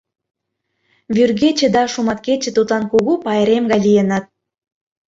Вӱргече да шуматкече тудлан кугу пайрем гай лийыныт.